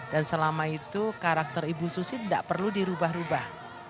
dan selama itu karakter ibu susi tidak perlu dirubah rubah